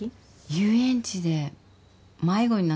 遊園地で迷子になったときかな。